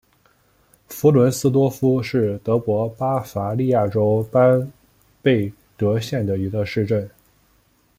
弗伦斯多夫是德国巴伐利亚州班贝格县的一个市镇。